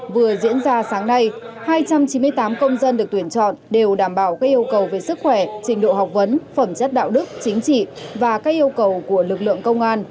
vừa diễn ra sáng nay hai trăm chín mươi tám công dân được tuyển chọn đều đảm bảo các yêu cầu về sức khỏe trình độ học vấn phẩm chất đạo đức chính trị và các yêu cầu của lực lượng công an